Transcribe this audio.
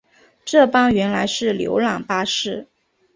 这班原来是游览巴士